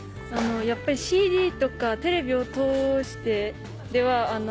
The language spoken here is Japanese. やっぱりＣＤとかテレビを通してでは。